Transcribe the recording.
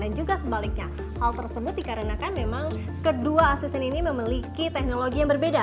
dan juga sebaliknya hal tersebut dikarenakan memang kedua asisten ini memiliki teknologi yang berbeda